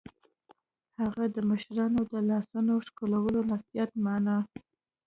هغه د مشرانو د لاسونو ښکلولو نصیحت مانه